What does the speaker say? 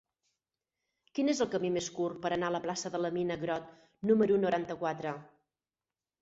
Quin és el camí més curt per anar a la plaça de la Mina Grott número noranta-quatre?